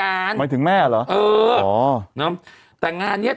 ในรายการหมายถึงแม่หรอเอออ๋อเนอะแต่งานเนี้ย